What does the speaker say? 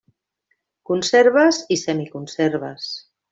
Conserves i semiconserves.